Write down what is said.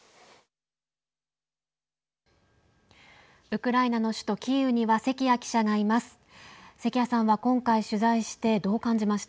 ウクライナの首都キーウには関谷記者がいます。